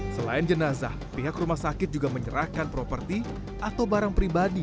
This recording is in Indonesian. selain jenazah pihak rumah sakit juga menyerahkan properti atau barang pribadi